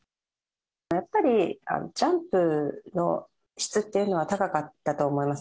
やっぱりジャンプの質っていうのは高かったと思います。